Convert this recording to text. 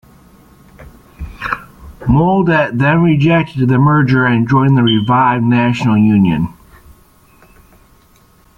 Moledet then rejected the merger and joined the revived National Union.